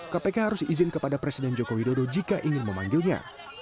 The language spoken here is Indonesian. kpk harus izin kepada presiden joko widodo jika ingin memanggilnya